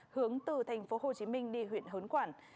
hướng từ tp hcm đi huyện hớn quảng